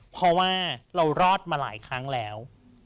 เพราะว่าเรารอดมาหลายครั้งแล้ว